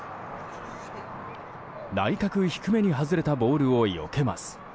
内角低めに外れたボールをよけます。